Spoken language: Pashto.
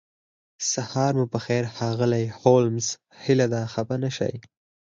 سهار مو پخیر ښاغلی هولمز هیله ده خفه نشئ